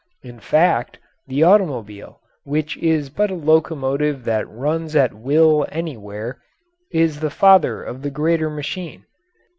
In fact, the automobile, which is but a locomotive that runs at will anywhere, is the father of the greater machine.